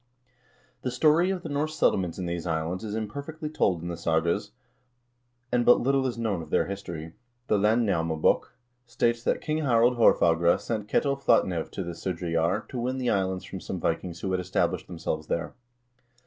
The story of the Norse settlements in these islands is im perfectly told in the sagas, and but little is known of their history.1 The "Landnamabok" states that King Harald Haarfagre sent Ketil Flatnev to the Sudreyjar to win the islands from some Vikings who had established themselves there.